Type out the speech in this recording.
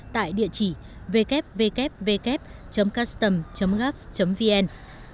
tại địa chỉ www custom gov vn